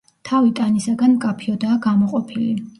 თავი ტანისაგან მკაფიოდაა გამოყოფილი.